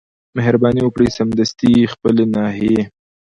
مهرباني وکړئ سمدستي د خپلي ناحيې